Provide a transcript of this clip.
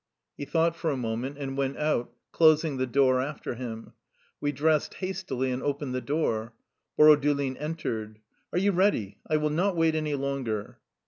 '' He thought for a moment, and went out, clos ing the door after him. We dressed hastily, and opened the door. Borodulin entered. " Are you ready? I will not wait any longer."